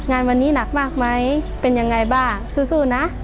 งานวันนี้หนักมากไหมเป็นยังไงบ้างสู้นะ